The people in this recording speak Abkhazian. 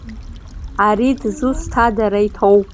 Ари дызусда ара иҭоу?